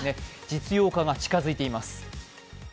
実用化が近づいています。